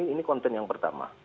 ini konten yang pertama